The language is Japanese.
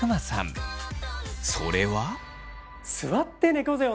それは。